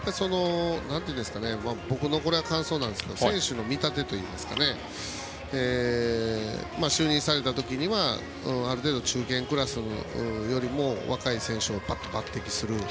僕の感想なんですけど選手の見立てといいますか就任された時にはある程度中堅クラスよりも若い選手を抜擢すると。